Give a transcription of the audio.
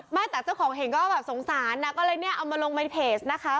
ไม่แต่เจ้าของเห็นก็แบบสงสารนะก็เลยเนี่ยเอามาลงในเพจนะคะ